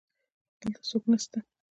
دلته څوک نسته